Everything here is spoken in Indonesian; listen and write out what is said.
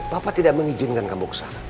papa tidak mengizinkan kamu ke sana